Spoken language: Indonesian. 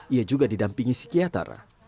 ia juga didampingi psikiater